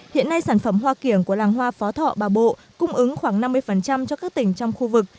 hiện nay sản phẩm hoa kiểng của làng hoa phó thọ bà bộ cung ứng khoảng năm mươi cho các tỉnh trong khu vực